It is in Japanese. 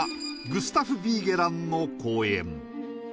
グスタフ・ヴィーゲランの公園